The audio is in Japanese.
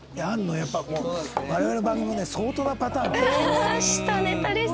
やっぱもう我々の番組もね相当なパターン。